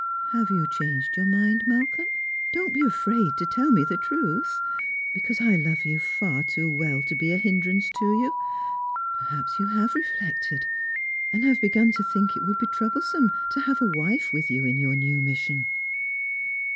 Have you changed your mind, Malcolm ? Don't be afraid to tell me the truth ; because I love you far too well to be a hindrance to you. Perhaps you have reflected, and have begun to think it would be troublesome to have a wifa with you in your new mission."